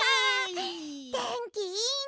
てんきいいね。